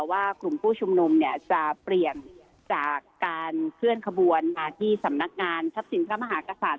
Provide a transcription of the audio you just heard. ว่ากลุ่มผู้ชุมนุมเนี่ยจะเปลี่ยนจากการเคลื่อนขบวนมาที่สำนักงานทรัพย์สินพระมหากษัตริย